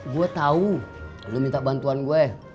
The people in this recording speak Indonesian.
gue tahu lo minta bantuan gue